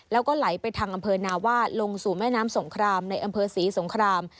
แล้วก็ไหลไปทางอำเภอนาวาดลงสู่แม่น้ำสงครามในอำเภอศรีสงคราม